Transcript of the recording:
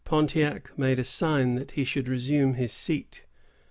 Pontiac made a sign that he should resume his seat.